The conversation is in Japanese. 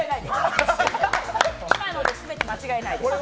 今ので全て間違いないです。